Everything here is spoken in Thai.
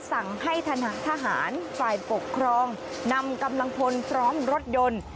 สั่งให้ทหารฝ่ายปกครองนำกำลังพลพร้อมรถยนต์